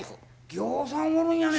ぎょうさんおるんやね。